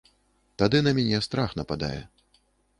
Тады на мяне страх нападае.